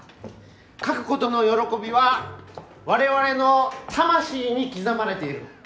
描くことの喜びは我々の魂に刻まれている。